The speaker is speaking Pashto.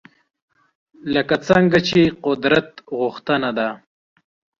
لکه څنګه چې قدرت غوښتنه ده